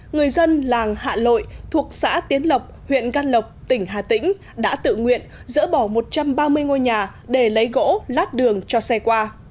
người dân làng hạ lội thuộc xã tiến lộc huyện can lộc tỉnh hà tĩnh đã tự nguyện dỡ bỏ một trăm ba mươi ngôi nhà để lấy gỗ lát đường cho xe qua